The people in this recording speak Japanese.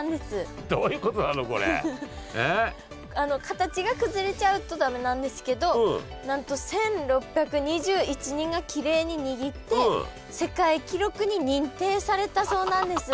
形が崩れちゃうと駄目なんですけどなんと１，６２１人がきれいににぎって世界記録に認定されたそうなんです。